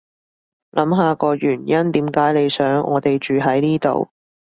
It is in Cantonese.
諗下個原因點解你想我哋住喺呢度